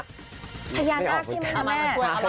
พญานาคใช่ไหมคะแม่